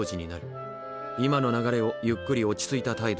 今の流れをゆっくり落ち着いた態度で。